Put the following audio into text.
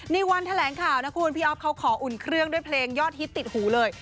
ในวันแถลงข่าวนะคุณพี่อ๊อฟเขาขออุ่นเครื่องด้วยเพลงยอดฮิตติดหูเลย